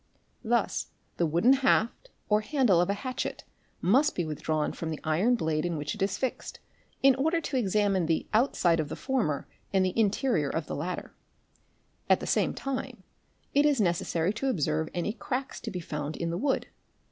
Thus the wooden haft or handle of a hatchet must be withdrawn from the iron blade in which it is fixed, in order to examine the outside of the former and the interior of the latter; at the same time it is necessary to observe any cracks to be found in the wood.